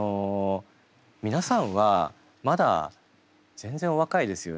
皆さんはまだ全然お若いですよね？